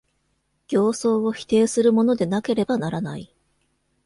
形相を否定するものでなければならない。